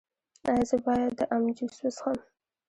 ایا زه باید د ام جوس وڅښم؟